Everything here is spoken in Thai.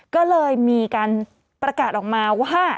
ก็เลยมีการประกาศออกมาว่า